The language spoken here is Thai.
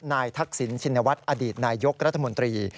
ทักษิณชินวัฒน์อดีตนายยกรัฐมนตรี